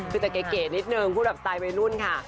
คือจะเก๋นิดนึงพูดแบบตายไปรุ่นค่ะ